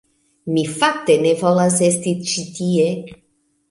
Mi fakte ne volas esti ĉi tie.